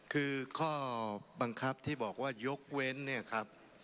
คือข้อบังคับที่บอกว่ายกเว้นเนี่ยครับ